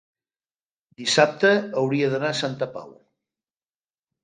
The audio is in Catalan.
dissabte hauria d'anar a Santa Pau.